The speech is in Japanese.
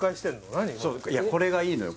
何そうこれがいいのよ